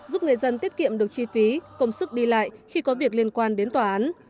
giúp người dân tiết kiệm được chi phí công sức đi lại khi có việc liên quan đến tòa án